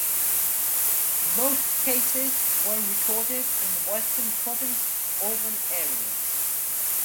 Most cases were recorded in Western Province urban areas.